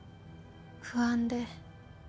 不安で。